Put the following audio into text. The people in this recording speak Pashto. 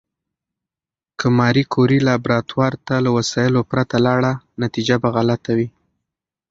که ماري کوري لابراتوار ته له وسایلو پرته لاړه، نتیجه به غلطه وي.